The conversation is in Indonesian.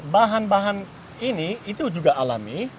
bahan bahan ini itu juga alami